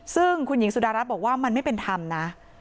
ซึ่งคุณหญิงสุดารัฐบอกว่ามันไม่เป็นธรรมนะ